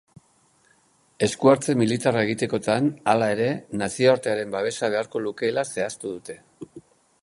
Esku-hartze militarra egitekotan, hala ere, nazioartearen babesa beharko lukeela zehaztu dute.